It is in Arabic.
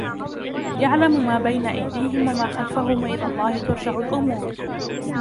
يَعْلَمُ مَا بَيْنَ أَيْدِيهِمْ وَمَا خَلْفَهُمْ وَإِلَى اللَّهِ تُرْجَعُ الْأُمُورُ